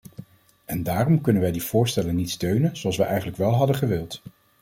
En daarom kunnen wij die voorstellen niet steunen zoals wij eigenlijk wel hadden gewild.